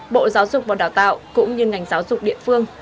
bộ giáo dục và đào tạo cũng như ngành giáo dục địa phương